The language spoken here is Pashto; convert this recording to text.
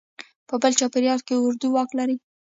په بل چاپېریال کې اردو واک لري.